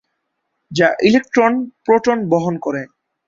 যা electron proton বহন করে।